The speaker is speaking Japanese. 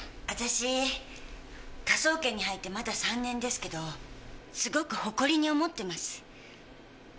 私科捜研に入ってまだ３年ですけどすごく誇りに思ってます。